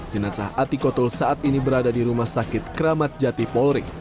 jenazah ati kotul saat ini berada di rumah sakit keramat jati polri